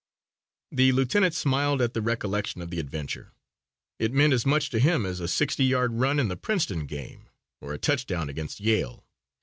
The lieutenant smiled at the recollection of the adventure. It meant as much to him as a sixty yard run in the Princeton game or a touchdown against Yale.